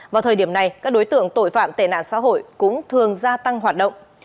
vào thời điểm này các đối tượng tội phạm tệ nạn xã hội cũng thường gia tăng hoạt động